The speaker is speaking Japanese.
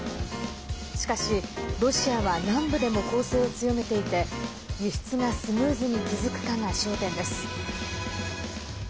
しかし、ロシアは南部でも攻勢を強めていて輸出がスムーズに続くかが焦点です。